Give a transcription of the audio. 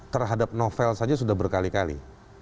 terhadap novel saja sudah berkali kali